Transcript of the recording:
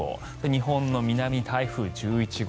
日本の南、台風１１号。